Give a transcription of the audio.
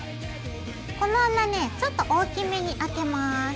この穴ねちょっと大きめに開けます。